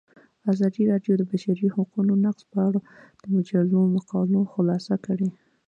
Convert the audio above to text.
ازادي راډیو د د بشري حقونو نقض په اړه د مجلو مقالو خلاصه کړې.